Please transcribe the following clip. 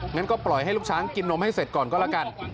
งั้นก็ปล่อยให้ลูกช้างกินนมให้เสร็จก่อนก็แล้วกัน